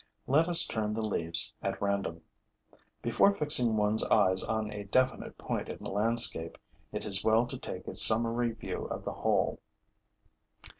Let us turn the leaves at random. Before fixing one's eyes on a definite point in the landscape, it is well to take a summary view of the whole.